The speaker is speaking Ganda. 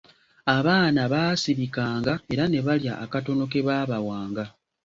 Abaana baasirikanga era ne balya akatono ke baabawanga.